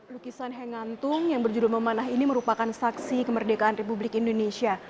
lukisan hengantung yang berjudul memanah ini merupakan saksi kemerdekaan republik indonesia